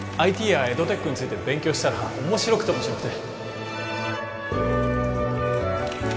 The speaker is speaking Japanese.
ＩＴ やエドテックについて勉強したら面白くて面白くて